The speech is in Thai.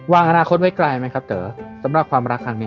อนาคตไว้ไกลไหมครับเต๋อสำหรับความรักครั้งนี้